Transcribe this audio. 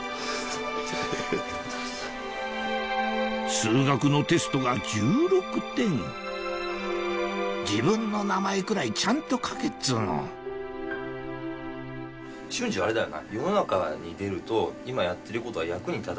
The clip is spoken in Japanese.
数学のテストが１６点自分の名前くらいちゃんと書けっつうのそうだよな。